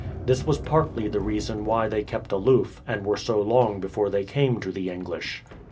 This was partly the reason why they kept aloof, and were so long before they came to the English.